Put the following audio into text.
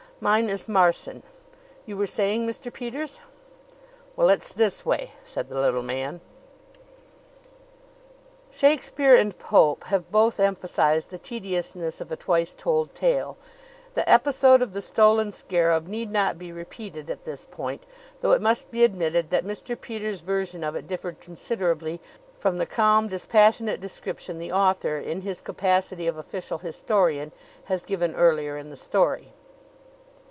"Mine is Marson. You were saying, Mr. Peters ?" "Well, it's this way," said the little man. Shakespeare and Pope have both emphasized the tediousness of a twice told tale; the Episode Of the Stolen Scarab need not be repeated at this point, though it must be admitted that Mr. Peters' version of it differed considerably from the calm, dispassionate description the author, in his capacity of official historian, has given earlier in the story.